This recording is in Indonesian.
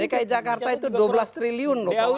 dki jakarta itu dua belas triliun loh